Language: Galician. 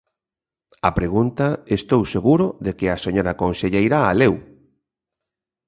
A pregunta estou seguro de que a señora conselleira a leu.